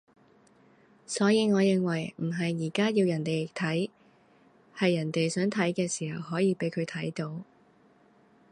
所以我認為唔係而家要人哋睇，係人哋想睇嘅時候可以畀佢睇到